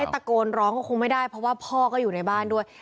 ตะโกนร้องก็คงไม่ได้เพราะว่าพ่อก็อยู่ในบ้านด้วย